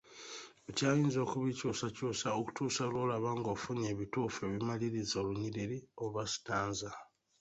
Okyayinza okubikyusakykusa okutuusa lw’olaba ng’ofunye ebituufu ebimaliriza olunyiriri oba sitanza.